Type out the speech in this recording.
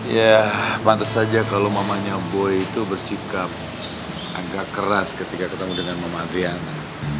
ya pantas saja kalau mamanya boy itu bersikap agak keras ketika ketemu dengan mama adriana